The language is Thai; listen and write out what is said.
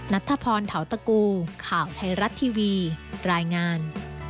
นัทธพรเทาตะกูข่าวไทยรัฐทีวีรายงาน